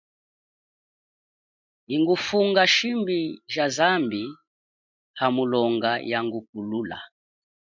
Ingufunga shimbi ja zambi, hamulonga, yangupulula.